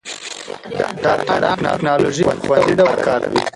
ډاکټران ټېکنالوژي په خوندي ډول کاروي.